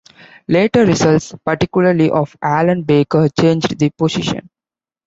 Later results, particularly of Alan Baker, changed the position.